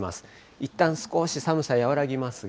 いったん少し寒さ和らぎますが。